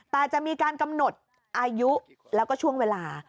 แต่จะมีการกำหนดอายุแล้วก็ช่วงเวลา